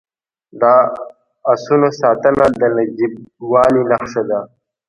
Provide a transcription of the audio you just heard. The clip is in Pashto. د اسونو ساتنه د نجیبوالي نښه ده.